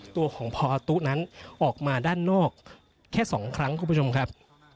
ตัวของพอตู้นั้นออกมาด้านนอกแค่๒ครั้งคุณผู้ชมครับ